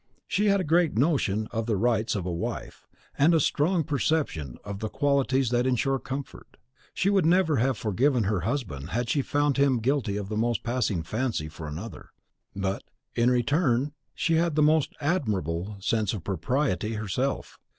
She had a great notion of the rights of a wife, and a strong perception of the qualities that insure comfort. She would never have forgiven her husband, had she found him guilty of the most passing fancy for another; but, in return, she had the most admirable sense of propriety herself.